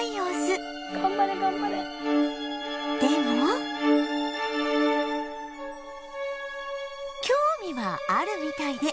でも興味はあるみたいで